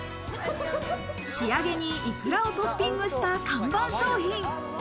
仕上げにイクラをトッピングした看板商品。